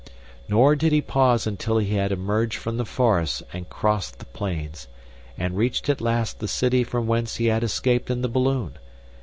Nor did he pause until he had emerged from the forest and crossed the plains, and reached at last the city from whence he had escaped in the balloon.